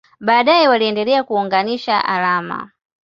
Baadaye waliendelea kuunganisha alama.